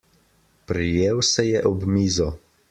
Prijel se je ob mizo.